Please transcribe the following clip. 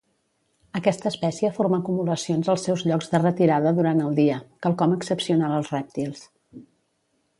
Aquesta espècie forma acumulacions als seus llocs de retirada durant el dia, quelcom excepcional als rèptils.